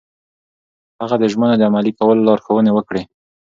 هغه د ژمنو د عملي کولو لارښوونې وکړې.